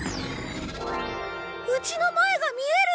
うちの前が見える！